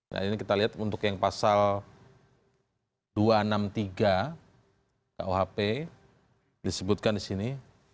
nah ini kita lihat untuk yang pasal dua ratus enam puluh tiga kuhp disebutkan di sini